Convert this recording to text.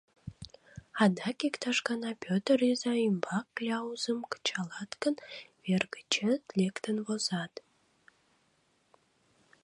Адак иктаж гана Пӧтыр изай ӱмбак кляузым кычалат гын, вер гычет лектын возат.